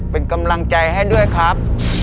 เป็นกำลังใจให้ด้วยครับ